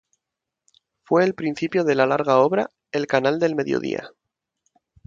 Fue el principio de la larga obra: El canal del Mediodía.